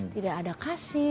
tidak ada kasih